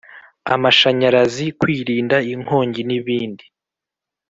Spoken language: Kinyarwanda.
amashanyarazi kwirinda inkongi n ibindi